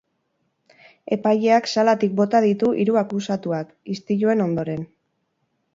Epaileak salatik bota ditu hiru akusatuak, istiluen ondoren.